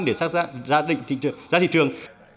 để ra thị trường